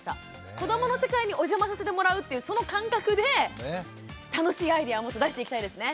子どもの世界にお邪魔させてもらうっていうその感覚で楽しいアイデアもっと出していきたいですね。